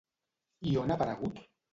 I on ha aparegut?